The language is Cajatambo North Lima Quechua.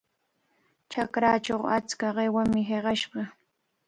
Chakrachaw achka qiwami hiqashqa.